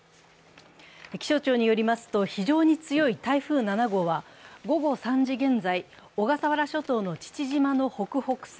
気象庁によりますと、非常に強い台風７号は、午後３時現在、小笠原諸島の父島のの北北西